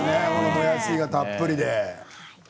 もやしがたっぷりで。